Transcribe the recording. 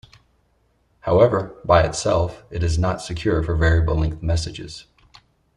However, by itself, it is not secure for variable-length messages.